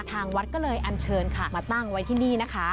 ทางวัดก็เลยอันเชิญค่ะมาตั้งไว้ที่นี่นะคะ